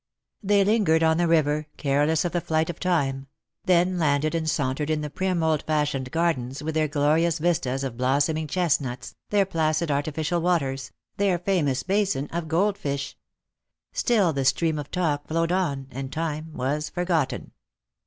They lingered on the river, careless of the flight of time; then landed and sauntered in the prim, old 104 Lost for Love. fashioned gardens, with their glorious vistas of blossoming chestnuts, their placid artificial waters, their famous basin of gold fish. Still the stream of talk flowed on, and time was forgotten.